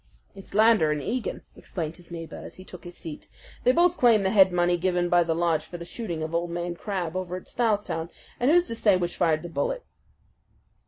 "It's Lander and Egan," explained his neighbour as he took his seat. "They both claim the head money given by the lodge for the shooting of old man Crabbe over at Stylestown, and who's to say which fired the bullet?"